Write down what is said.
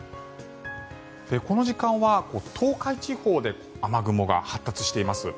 この時間は東海地方で雨雲が発達しています。